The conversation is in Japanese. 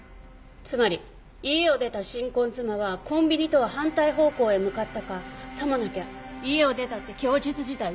つまり家を出た新婚妻はコンビニとは反対方向へ向かったかさもなきゃ家を出たって供述自体嘘だったか。